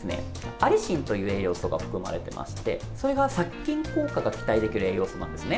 アリシンという栄養素が含まれてましてそれが殺菌効果が期待できる栄養素なんですね。